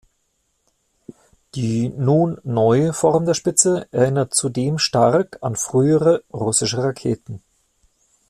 Die nun neue Form der Spitze erinnert zudem stark an frühere russische Raketen.